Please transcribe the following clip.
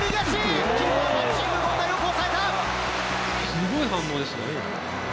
すごい反応ですね。